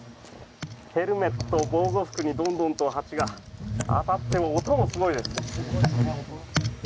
ヘルメット、防護服にどんどんと蜂が当たって音もすごいです。